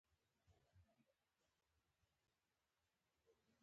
د مصنوعي هوښیارۍ کارونه په ښوونه کې هم شته.